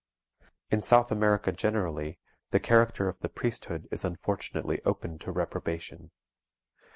In South America generally, the character of the priesthood is unfortunately open to reprobation.